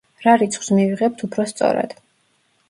რა რიცხვს მივიღებთ უფრო სწორად.